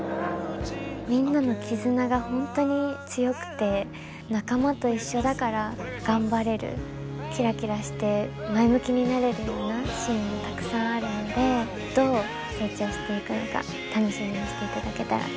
みんなの絆が本当に強くて仲間と一緒だから頑張れるキラキラして前向きになれるようなシーンもたくさんあるのでどう成長していくのか楽しみにしていただけたらうれしいです。